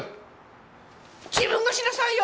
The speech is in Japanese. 自分がしなさいよ！